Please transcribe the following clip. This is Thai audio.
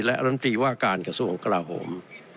และอรรมตรีว่าการกระทรวงกระหลาโฮม